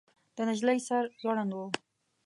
د نجلۍ سر ځوړند و.